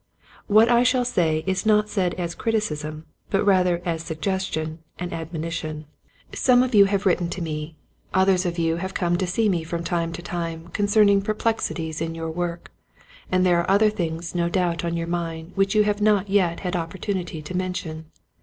What I shall say is not said as criticism but rather as suggestion and admonition. Some of Wherefore AH This. 3 you have written to me, others of you have come to see me from time to time concerning perplexities in your work, and there are other things no doubt on your mind which you have not yet had oppor tunity to mention.